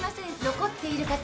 残っている方